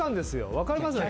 分かりますね？